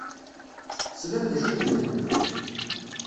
Teslam d acu i d-nnant?